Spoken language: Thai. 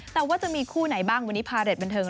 แต่ว่าจะมีคู่ไหนบ้างวันนี้พาเรทบันเทิง